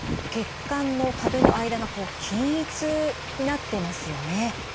血管の壁の間がこう均一になってますよね。